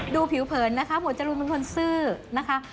ดูผิวเผินนะคะหมวดจรูนเป็นคนซื่อนะคะ